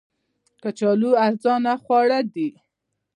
کچالو ارزانه خواړه دي